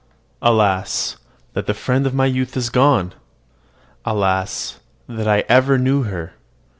Alas, that the friend of my youth is gone! Alas, that I ever knew her!